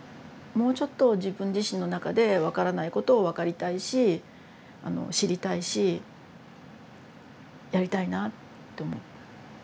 もうちょっと自分自身の中で分からないことを分かりたいし知りたいしやりたいなって思った。